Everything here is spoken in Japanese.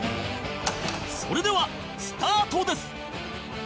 それではスタートです